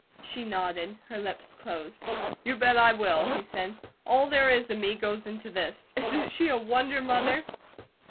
She nodded, her lips closed. "You bet I will!" he said. "All there is of me goes into this. Isn't she a wonder, Mother?"